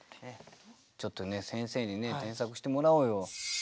ちょっとね先生に添削してもらおうよ。